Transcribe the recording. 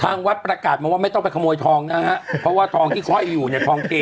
วัดประกาศมาว่าไม่ต้องไปขโมยทองนะฮะเพราะว่าทองที่ห้อยอยู่เนี่ยทองเก